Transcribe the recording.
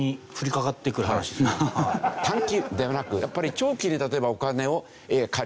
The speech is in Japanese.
短期ではなくやっぱり長期で例えばお金を借りる。